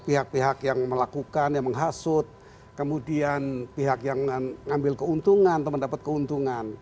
pihak pihak yang melakukan yang menghasut kemudian pihak yang mengambil keuntungan atau mendapat keuntungan